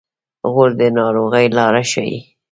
غول د ناروغۍ لاره ښيي.